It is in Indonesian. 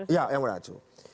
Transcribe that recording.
ya yang beraju